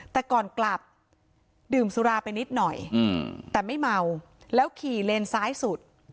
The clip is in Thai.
แต่ก่อนกลับดื่มสุราไปนิดหน่อยแต่ไม่เมาแล้วขี่เลนซ้ายสุด